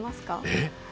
えっ？